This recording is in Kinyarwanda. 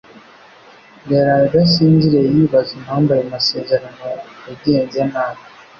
Yaraye adasinziriye yibaza impamvu ayo masezerano yagenze nabi.